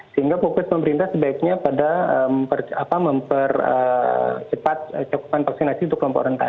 sehingga fokus pemerintah sebaiknya pada mempercepat cakupan vaksinasi untuk kelompok rentan